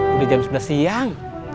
udah jam sebelas siang